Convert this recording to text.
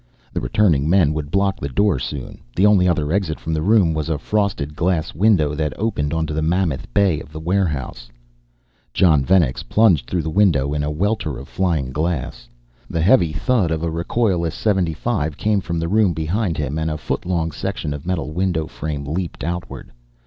The returning men would block the door soon, the only other exit from the room was a frosted glass window that opened onto the mammoth bay of the warehouse. Jon Venex plunged through the window in a welter of flying glass. The heavy thud of a recoilless .75 came from the room behind him and a foot long section of metal window frame leaped outward.